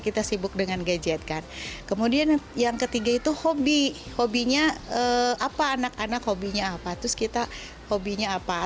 kita sibuk dengan gadget kan kemudian yang ketiga itu hobi hobinya apa anak anak hobinya apa terus kita hobinya apa